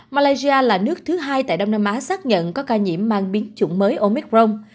malaysia là nước thứ hai tại đông nam á xác nhận có ca nhiễm mang biến chủng mới omicron